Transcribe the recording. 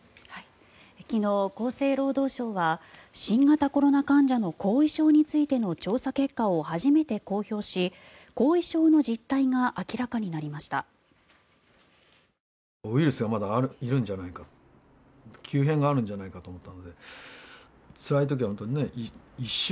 昨日、厚生労働省は新型コロナ患者の後遺症についての調査結果を初めて公表し、後遺症の実態が明らかになりました。